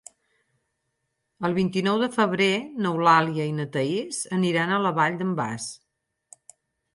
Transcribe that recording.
El vint-i-nou de febrer n'Eulàlia i na Thaís aniran a la Vall d'en Bas.